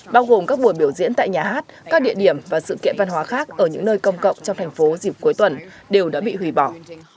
bao gồm các buổi biểu diễn tại nhà hát các địa điểm và sự kiện văn hóa khác ở những nơi công cộng trong thành phố dịp cuối tuần đều đã bị hủy bỏ